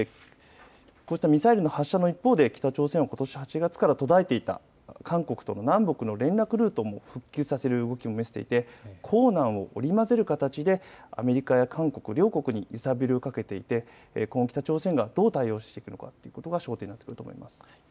ミサイルの発射の一方で北朝鮮はことし８月から途絶えていた韓国との南北の連絡ルートも復旧させる動きも見せていて硬軟を織り交ぜる形でアメリカや韓国両国に揺さぶりをかけていて北朝鮮がどう対応していくのかというところが焦点になってくると思います